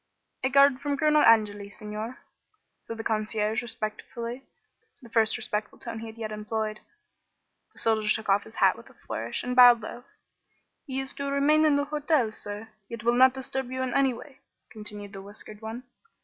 "A guard from Colonel Angeli, Signor," said the concierge, respectfully the first respectful tone he had yet employed. The soldier took off his hat with a flourish, and bowed low. "He is to remain in the hotel, sir, yet will not disturb you in any way," continued the whiskered one.